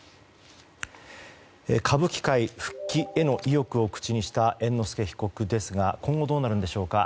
歌舞伎界復帰への意欲を口にした猿之助被告ですが今後どうなるんでしょうか。